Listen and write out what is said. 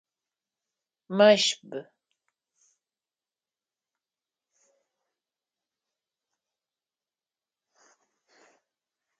Мэшб.